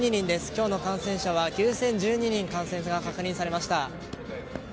今日の感染者は９０１２人感染が確認されました。